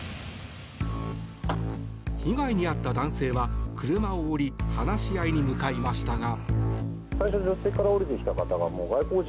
被害に遭った男性は車を降り話し合いに向かいましたが。